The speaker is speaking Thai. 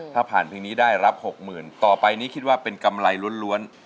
ถ้าผ่านเพลงนี้ได้รับ๖๐๐๐ต่อไปนี้คิดว่าเป็นกำไรล้วน